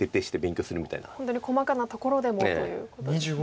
本当に細かなところでもということですね。